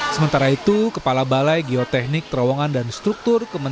sementara itu kepala balai geoteknik terowongan dan struktur kementerian